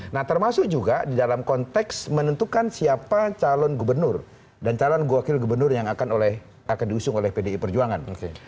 nah termasuk juga di dalam konteks menentukan siapa calon gubernur dan calon wakil gubernur yang akan diusung oleh pdi perjuangan